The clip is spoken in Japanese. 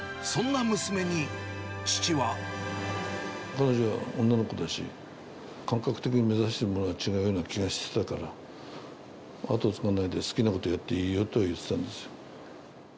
彼女は女の子だし、感覚的に目指してるものが違うような気がしてたから、後を継がないで好きなことやっていいよとは言ってたんです。